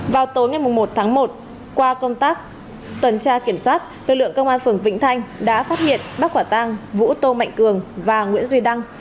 vào tối ngày một tháng một qua công tác tuần tra kiểm soát lực lượng công an phường vĩnh thanh đã phát hiện bắt quả tang vũ tô mạnh cường và nguyễn duy đăng